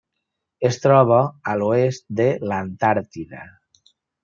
Es troba a l'oest de l'Antàrtida.